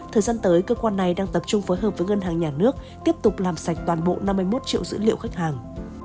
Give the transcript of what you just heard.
thời gian tới cơ quan này đang tập trung phối hợp với ngân hàng nhà nước tiếp tục làm sạch toàn bộ năm mươi một triệu dữ liệu khách hàng